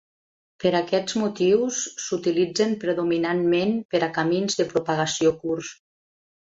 Per aquests motius s'utilitzen predominantment per a camins de propagació curts.